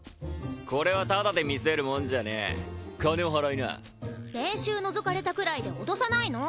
これはタダで見せるもんじゃねえ金を払いな練習のぞかれたくらいで脅さないの！